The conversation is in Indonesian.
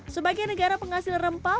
sebagai negara penghasil rempah